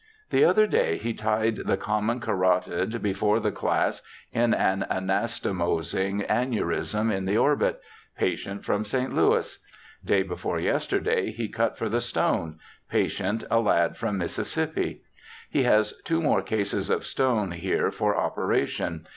The other day he tied the common carotid before the class in an anastomosing aneurism in the orbit; patient from St. Louis. Day before yesterday he cut for the stone; patient a lad from Mississippi. He has two more cases of stone here for operation.